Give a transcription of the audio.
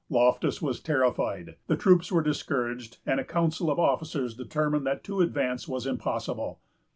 Loftus was terrified; the troops were discouraged, and a council of officers determined that to advance was impossible.